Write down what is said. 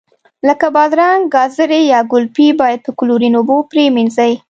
لکه بادرنګ، ګازرې یا ګلپي باید په کلورین اوبو پرېمنځي.